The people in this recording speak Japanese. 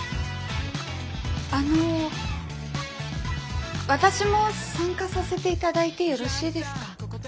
あの私も参加させて頂いてよろしいですか？